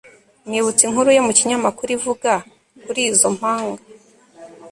Nibutse inkuru yo mu kinyamakuru ivuga kuri izo mpanga